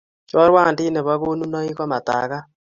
Choruandit nebo konunaik ko matagat